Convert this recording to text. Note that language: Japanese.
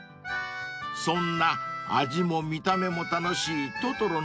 ［そんな味も見た目も楽しいトトロのシュークリーム］